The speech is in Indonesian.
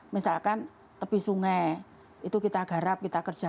misalkan tepi sungai itu kita garap kita kerjakan